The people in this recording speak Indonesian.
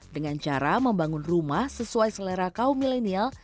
dengan cara membangun rumah sesuai selera kaum milenial